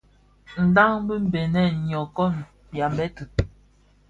Ndhañ di Benèn, nyokon, yambette.